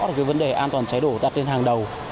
về cái vấn đề an toàn cháy đổ tắt lên hàng đầu